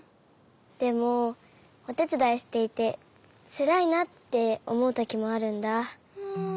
でもおてつだいしていてつらいなっておもうときもあるんだ。